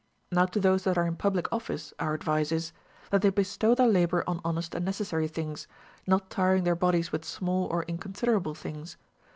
Now to those that are in public office our advice is, that they bestow their labor on honest and necessary things, not tiring their bodies with small or inconsiderable things.